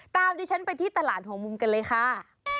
ดิฉันไปที่ตลาดหัวมุมกันเลยค่ะ